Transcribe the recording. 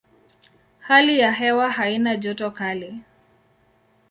Hali ya hewa haina joto kali.